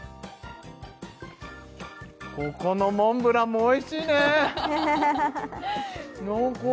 ここのモンブランもおいしいね濃厚！